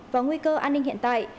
và nguy cơ an ninh hiện tại